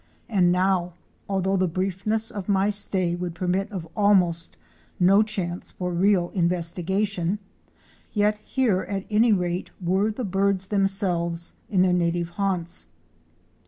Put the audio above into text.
And now, although the briefness of my stay would permit of almost no chance for real investigation, yet here at any rate were the birds themselves in their native haunts.